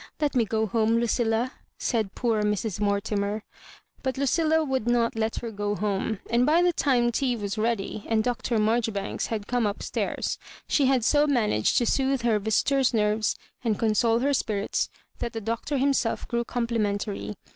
Let me go home, Lucilla," said poor Mra. Mortimer. But Lucilla would not let her go home; and by the time tea was ready, and Dr. Marjoribanks had come up stairs, she had so managed to sooth her visitor's nerves, and console her spirits, that the Doctor himself g^w compli mentary.